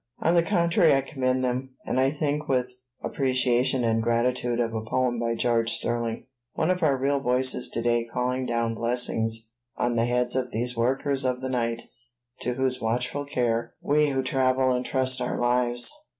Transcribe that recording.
On the contrary I commend them, and I think with appreciation and gratitude of a poem by George Sterling, one of our real voices to day calling down blessings on the heads of these "workers of the night" to whose watchful care we who travel intrust our lives.